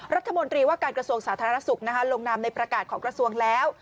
รัฐมนตรีว่าการกระทรวงสาธารณสุขลงนามในประกาศของกระทรวงแล้ว